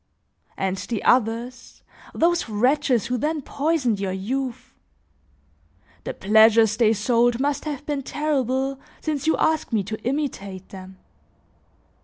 And the others, those wretches who then poisoned your youth! The pleasures they sold must have been terrible since you ask me to imitate them!